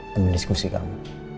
dan mendiskusi kamu